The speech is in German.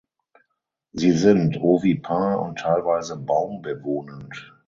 Sie sind ovipar und teilweise baumbewohnend.